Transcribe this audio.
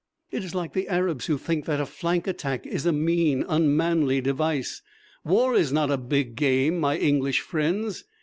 It is like the Arabs who think that a flank attack is a mean, unmanly device. War is not a big game, my English friends.